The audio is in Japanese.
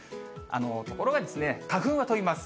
ところが花粉は飛びます。